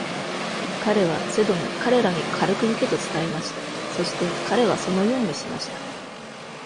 彼はセドに彼らに軽くいけと伝えました、そして彼はそのようにしました。